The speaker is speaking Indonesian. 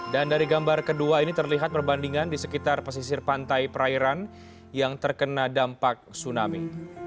dan dari gambar kedua ini terlihat perbandingan di sekitar pesisir pantai perairan yang terkena dampak tsunami